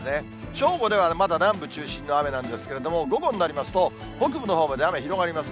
正午ではまだ南部中心の雨なんですけれども、午後になりますと、北部のほうまで雨、広がります。